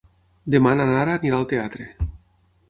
Demà na Nara anirà al teatre.